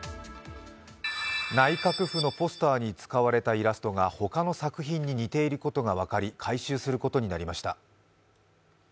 内閣府のポスターに使われたイラストがほかの作品に似ていることが分かり回収することになりました。